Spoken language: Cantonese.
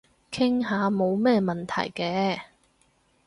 傾下冇咩問題嘅